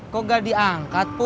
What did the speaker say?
kok gak diangkat pur